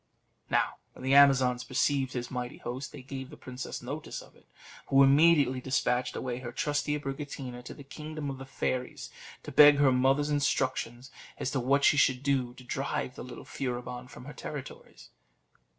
Now, when the Amazons perceived his mighty host, they gave the princess notice of it, who immediately despatched away her trusty Abricotina to the kingdom of the fairies, to beg her mother's instructions as to what she should do to drive the little Furibon from her territories.